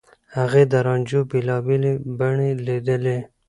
هغې د رانجو بېلابېلې بڼې ليدلي.